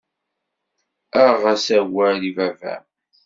Aɣ-as awal i baba-m.